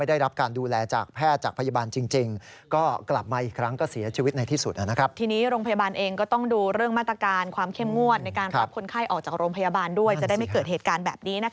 โดยจะได้ไม่เกิดเหตุการณ์แบบนี้